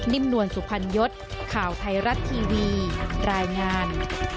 นิ่มนวลสุพันยศข่าวไทยรัตน์ทีวีรายงาน